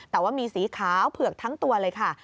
แต่ว่ามีสีขาวเผือกทั้งตัวเลยค่ะ